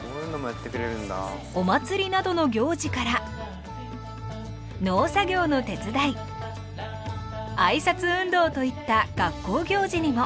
お祭りなどの行事から農作業の手伝いあいさつ運動といった学校行事にも。